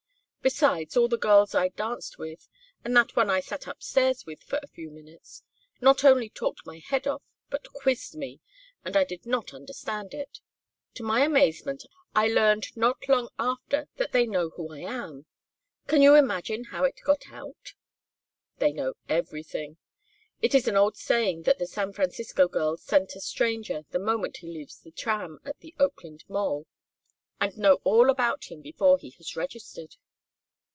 Besides, all the girls I danced with, and that one I sat up stairs with for a few minutes, not only talked my head off, but quizzed me, and I did not understand it. To my amazement, I learned not long after that they know who I am. Can you imagine how it got out?" "They know everything. It is an old saying that the San Francisco girls scent a stranger the moment he leaves the tram at the Oakland mole, and know all about him before he has registered.